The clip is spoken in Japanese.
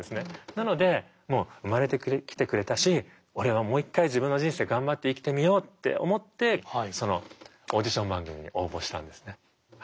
なのでもう生まれてきてくれたし俺はもう一回自分の人生頑張って生きてみようって思ってそのオーディション番組に応募したんですね。